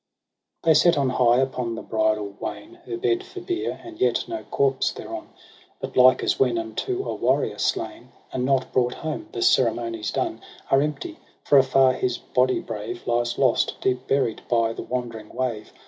ao They set on high upon the bridal wain Her bed for bier, and yet no corpse thereon • But like as when unto a warrior slain And not brought home the ceremonies done Are empty, for afar his body brave Lies lost, deep buried by the wandering wave.